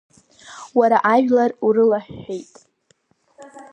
Уара ажәлар урылаҳәҳәеит.